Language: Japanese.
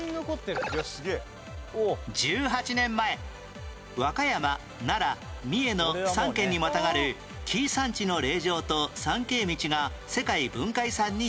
１８年前和歌山奈良三重の３県にまたがる「紀伊山地の霊場と参詣道」が世界文化遺産に登録